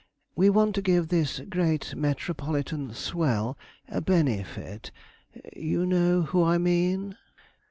We want to give this great metropolitan swell a benefit. You know who I mean?'